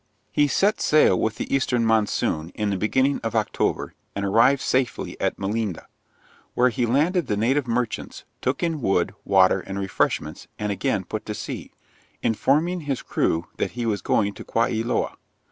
'He set sail with the eastern monsoon, in the beginning of October, and arrived safely at Melinde, where he landed the native merchants, took in wood, water, and refreshments, and again put to sea, informing his crew that he was going to Quiloa.